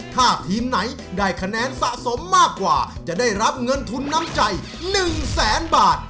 ถ้าทีมไหนได้คะแนนสะสมมากกว่าจะได้รับเงินทุนน้ำใจ๑แสนบาท